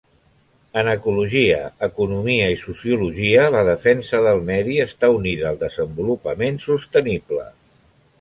En ecologia, economia i sociologia, la defensa del medi està unida al desenvolupament sostenible.